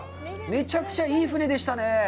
めちゃくちゃいい船でしたね。